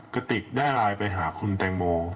กระติกได้ไลน์ไปหาคุณแตงโม